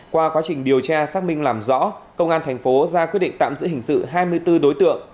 qua quá trình điều tra xác minh làm rõ công an thành phố ra quyết định tạm giữ hình sự hai mươi bốn đối tượng